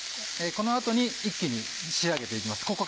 この後に一気に仕上げて行きます。